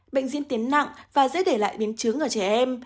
bệnh diễn tiến nặng và dễ để lại biến chứng ở trẻ em